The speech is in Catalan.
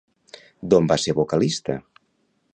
D'on va ser vocalista?